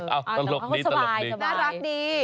เอ้าตลกนี้ตลกนี้น่ารักดี